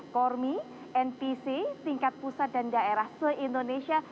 kormi npc tingkat pusat dan daerah se indonesia